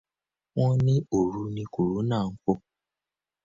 Wọ́n ní òru ní kòrónà ń fò.